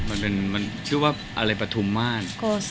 มันชื่อว่าอะไรปะทุมมาน